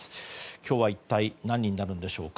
今日は一体何人になるのでしょうか。